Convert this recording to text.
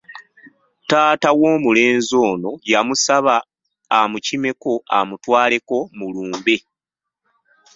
Taata w'omulenzi ono yamusaba amukimeko amutwaleko mu lumbe.